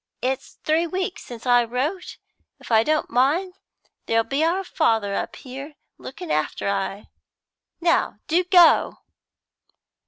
It's three weeks since I wrote; if I don't mind there'll be our father up here looking after I. Now, do go!"